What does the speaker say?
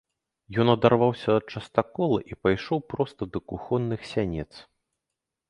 Ён адарваўся ад частакола і пайшоў проста да кухонных сянец.